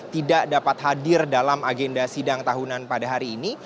tidak dapat hadir dalam agenda sidang tahunan pada hari ini